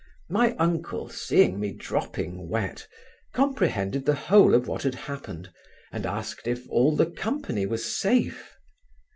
My uncle, seeing me dropping wet, comprehended the whole of what had happened, and asked if all the company was safe?